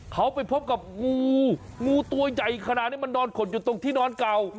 เขาไปพบกับงูงูตัวใหญ่ขนาดนี้มันนอนขดอยู่ตรงที่นอนเก่า